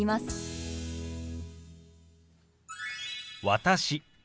「私」